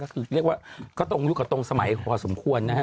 ก็คือเรียกว่าก็ตรงยุคกับตรงสมัยพอสมควรนะฮะ